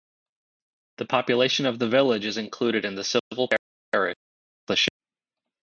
The population of the village is included in the civil parish of Pleshey.